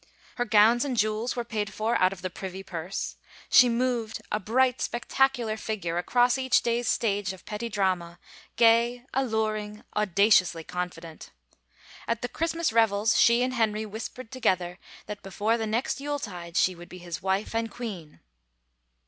Her gowns and jewels were paid for out of the privy purse. She moved, a bright, spectacular figure, across each day's stage of petty drama, gay, alluring, audaciously confident. At the 148 THE PESTILENCE Christmas revels she and Henry whispered together that before the next Yule tide she would be his wife and queen.